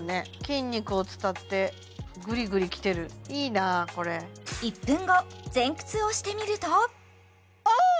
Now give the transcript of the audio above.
筋肉を伝ってグリグリきてるいいなこれ１分後前屈をしてみるとああ！